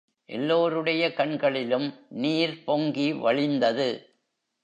எல்லோருடைய கண்களிலும் நீர் பொங்கி வழிந்தது.